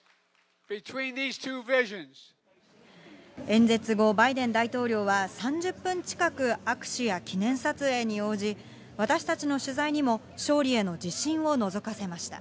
演説後、バイデン大統領は３０分近く、握手や記念撮影に応じ、私たちの取材にも勝利への自信をのぞかせました。